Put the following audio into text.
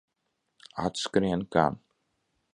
Atskrien gan.